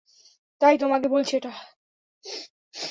তাই তোমাকে এটা বলছি।